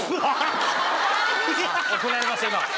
怒られました今。